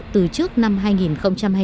từ trước đến nay